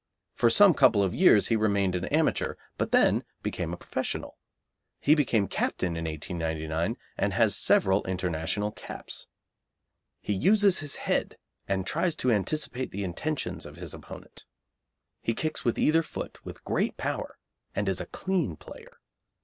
For some couple of years he remained an amateur, but then became a professional. He became captain in 1899, and has several International "caps." He uses his head, and tries to anticipate the intentions of his opponent. He kicks with either foot with great power, and is a clean player.